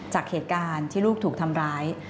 จากเหตุการณ์ที่ลูกถูกทำร้าย